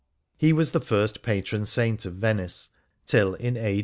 He was the first Patron Saint of Venice, till in a.